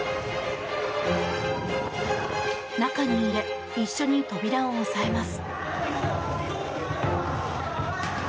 中に入れ一緒に扉を押さえます。